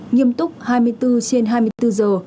nghiêm túc hai mươi bốn trên hai mươi bốn giờ